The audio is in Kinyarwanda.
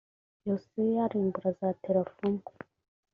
yosiya arimbura za terafimu